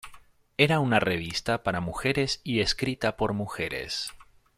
Era una revista para mujeres y escrita por mujeres.